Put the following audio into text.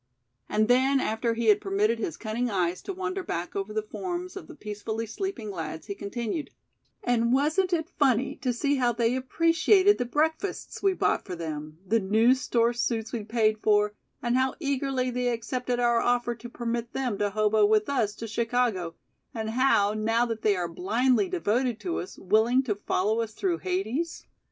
And then after he had permitted his cunning eyes to wander back over the forms of the peacefully sleeping lads he continued: "And wasn't it funny to see how they appreciated the breakfasts we bought for them, the new store suits we paid for, and how eagerly they accepted our offer to permit them to hobo with us to Chicago, and how now they are blindly devoted to us, willing to follow us through Hades?"